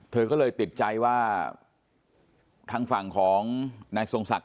เธอก็เลยติดใจว่าทางฝั่งของนายทรงศักด